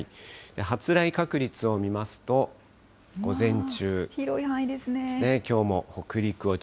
発雷確率を見ますと、午前中。